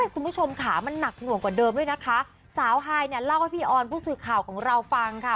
คุณผู้ชมค่ะมันหนักหน่วงกว่าเดิมด้วยนะคะสาวฮายเนี่ยเล่าให้พี่ออนผู้สื่อข่าวของเราฟังค่ะ